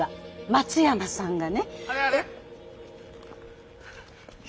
松山さんが？